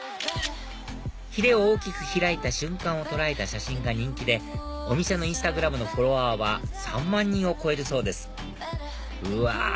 ひれを大きく開いた瞬間を捉えた写真が人気でお店のＩｎｓｔａｇｒａｍのフォロワーは３万人を超えるそうですうわ！